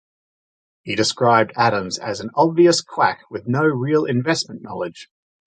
He described Adams as an obvious quack with no real investment knowledge.